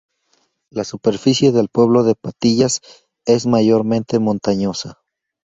La superficie del pueblo de Patillas es mayormente montañosa.